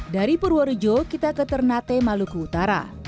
dari purworejo kita ke ternate maluku utara